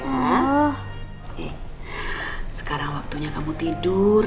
wow sekarang waktunya kamu tidur